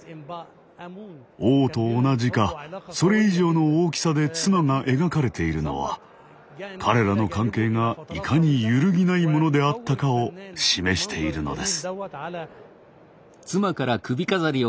王と同じかそれ以上の大きさで妻が描かれているのは彼らの関係がいかに揺るぎないものであったかを示しているのです。